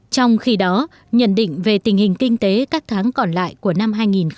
trong khi đó nhận định về tình hình kinh tế các tháng còn lại của năm hai nghìn một mươi chín